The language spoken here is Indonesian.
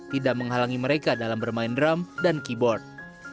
tidak menghalangi mereka dalam bermain drum dan keyboard